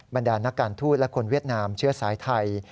บรรดานักการทูตและคนเวียดนามเชื้อสายไทย